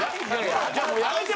じゃあもうやめて！